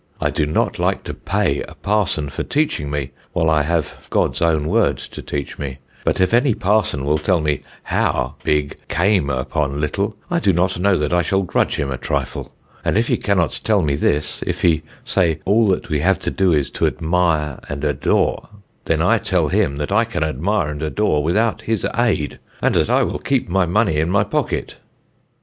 I do not like to pay a parson for teaching me, while I have 'God's own Word' to teach me; but if any parson will tell me how big came upon little, I do not know that I shall grudge him a trifle. And if he cannot tell me this; if he say, All that we have to do is to admire and adore; then I tell him, that I can admire and adore without his aid, and that I will keep my money in my pocket."